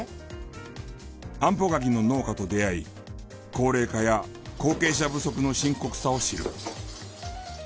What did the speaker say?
あんぽ柿の農家と出会い高齢化や後継者不足の深刻さを知る。